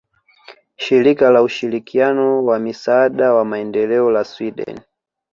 Shirika la Ushirikiano wa Misaada wa Maendeleo la Sweden